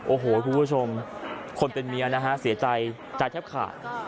โอ้โหคุณผู้ชมคนเป็นเมียนะฮะเสียใจใจแทบขาด